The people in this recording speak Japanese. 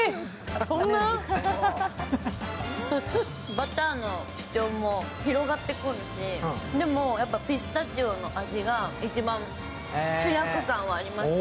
バターの主張も広がってくるし、でもやっぱピスタチオの味が一番、主役感はありますね。